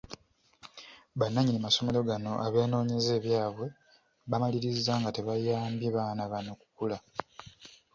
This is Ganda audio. Bannannyini masomero gano abeenooyeza ebyabwe bamaliriza nga tebayambye baana bano kukula.